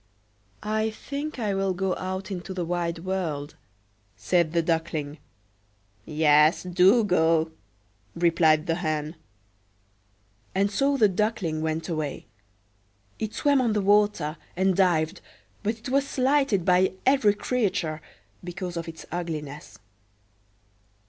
"I think I will go out into the wide world," said the Duckling."Yes, do go," replied the Hen.And so the Duckling went away. It swam on the water, and dived, but it was slighted by every creature because of its ugliness.